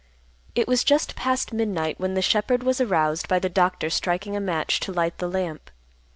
It was just past midnight, when the shepherd was aroused by the doctor striking a match to light the lamp.